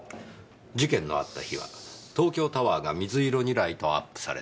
事件のあった日は東京タワーが水色にライトアップされていた。